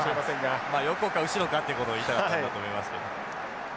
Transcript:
横か後ろかということを言いたかったんだと思いますけど。